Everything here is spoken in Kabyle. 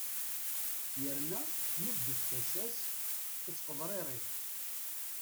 yerna tneddef tasa-s tettqeḍririf